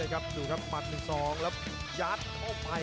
กับรางวัลอัลฟ่าย